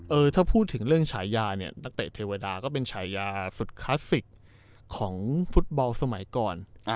ถ้าพูดถึงเรื่องฉายาเนี่ยนักเตะเทวดาก็เป็นฉายาสุดคลาสสิกของฟุตบอลสมัยก่อน